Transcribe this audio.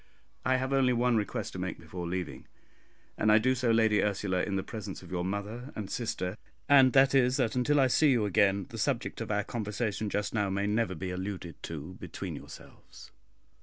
I have only one request to make before leaving, and I do so, Lady Ursula, in the presence of your mother and sister; and that is, that until I see you again, the subject of our conversation just now may never be alluded to between yourselves.